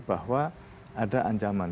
bahwa ada ancaman